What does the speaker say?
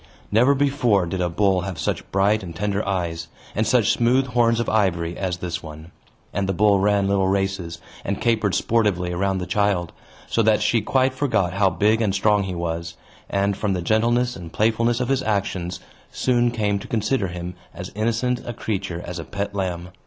Never before did a bull have such bright and tender eyes, and such smooth horns of ivory, as this one. And the bull ran little races, and capered sportively around the child; so that she quite forgot how big and strong he was, and, from the gentleness and playfulness of his actions, soon came to consider him as innocent a creature as a pet lamb.